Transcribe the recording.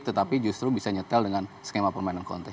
tetapi justru bisa nyetel dengan skema pemainan conte